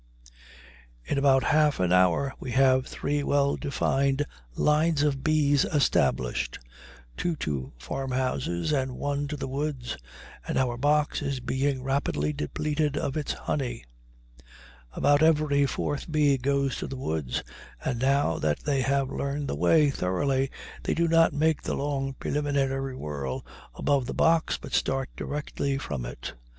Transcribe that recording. In about half an hour we have three well defined lines of bees established, two to farmhouses and one to the woods, and our box is being rapidly depleted of its honey. About every fourth bee goes to the woods, and now that they have learned the way thoroughly they do not make the long preliminary whirl above the box, but start directly from it.